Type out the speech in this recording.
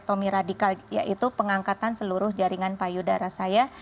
tomi radikal yaitu pengangkatan seluruh jaringan payudara saya